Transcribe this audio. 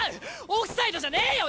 オフサイドじゃねえよ